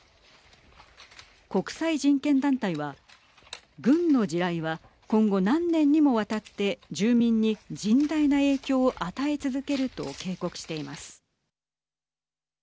国際人権団体は軍の地雷は今後何年にもわたって住民に甚大な影響を与え続けると警告しています。